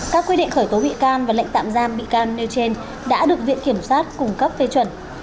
các quy định khởi tố bị can và lệnh tạm giam bị can nêu trên đã được viện kiểm sát cung cấp phê chuẩn